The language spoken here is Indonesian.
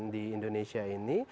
di indonesia ini